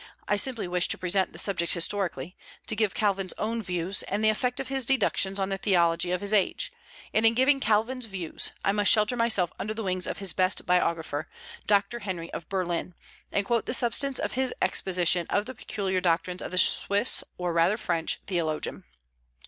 I simply wish to present the subject historically, to give Calvin's own views, and the effect of his deductions on the theology of his age; and in giving Calvin's views I must shelter myself under the wings of his best biographer, Doctor Henry of Berlin, and quote the substance of his exposition of the peculiar doctrines of the Swiss, or rather French, theologian.